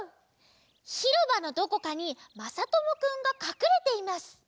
ひろばのどこかにまさともくんがかくれています。